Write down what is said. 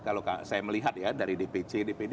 kalau saya melihat ya dari dpc dpd